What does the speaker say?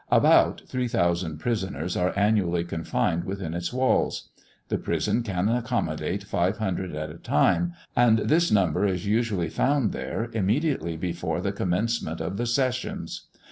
About three thousand prisoners are annually confined within its walls. The prison can accommodate five hundred at a time, and this number is usually found there immediately before the commencement of the sessions.